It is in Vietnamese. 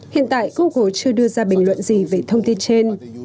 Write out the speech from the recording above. hiện tại google chưa đưa ra bình luận gì về thông tin trên